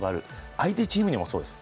相手チームにもそうです。